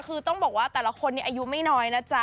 คือต้องบอกว่าแต่ละคนนี้อายุไม่น้อยนะจ๊ะ